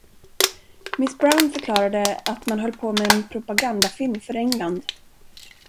Miss Brown förklarade att man höll på med en propagandafilm för England.